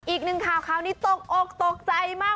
อีกหนึ่งคราวนี้ตกอกตกใจมาก